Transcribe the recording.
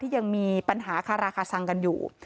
ยังมีปัญหาคาราคาซังกันอยู่